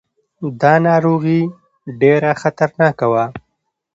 دا ناروغي ډېره خطرناکه وه.